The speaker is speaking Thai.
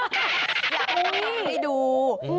อยากให้น้องให้ดู